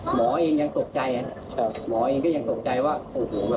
หมอเองยังตกใจหมอเองก็ยังตกใจว่าโอ้โห